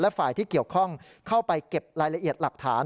ฝ่ายที่เกี่ยวข้องเข้าไปเก็บรายละเอียดหลักฐาน